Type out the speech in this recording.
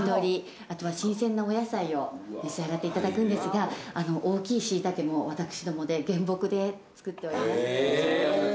あとは新鮮なお野菜を召し上がっていただくんですが大きいシイタケも私どもで原木で作っております。